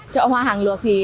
chợ hoa hàng lược